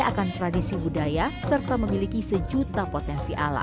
nah kalau kita jalan jalan kembali sedikit ke sana